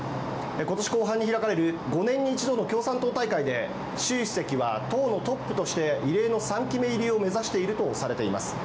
今年、後半に開かれる５年に１度の共産党大会で習主席は党のトップとして異例の３期目入りを目指しているとされています。